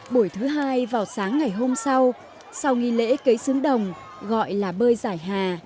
buổi thứ hai vào sáng ngày hôm sau sau nghi lễ kế xứng đồng gọi là bơi giải